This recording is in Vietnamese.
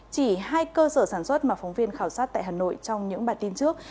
chỉ hai cơ sở sản xuất mà phóng viên khảo sát tại hà nội trong những bản tin trước